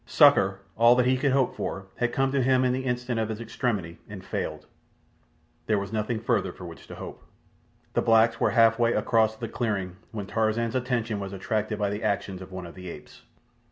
Succour, all that he could hope for, had come to him in the instant of his extremity—and failed. There was nothing further for which to hope. The blacks were half way across the clearing when Tarzan's attention was attracted by the actions of one of the apes.